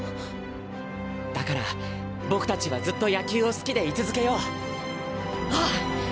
だから僕たちはずっと野球を好きでい続けよう！ああ。